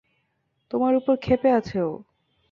তোমার উপর ক্ষেপে আছে ও।